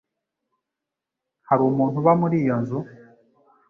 Hari umuntu uba muri iyo nzu?